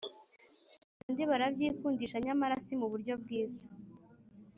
Ba bandi barabyikundisha nyamara si mu buryo bwiza